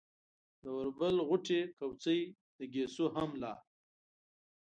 د اوربل غوټې، کوڅۍ، د ګيسو هم لا